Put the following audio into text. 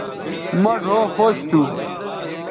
مہ ڙھؤ خوش تھو